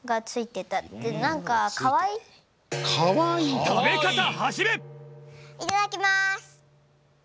いただきます！